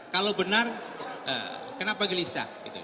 kalau benar kenapa gelisah